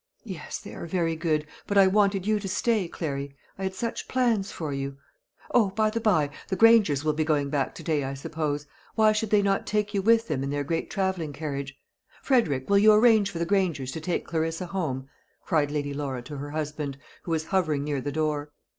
"Yes, they are very good; but I wanted you to stay, Clary. I had such plans for you. O, by the bye, the Grangers will be going back to day, I suppose. Why should they not take you with them in their great travelling carriage? Frederick, will you arrange for the Grangers to take Clarissa home?" cried Lady Laura to her husband, who was hovering near the door.